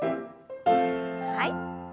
はい。